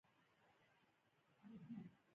زه د کتاب لوستلو پلان جوړوم.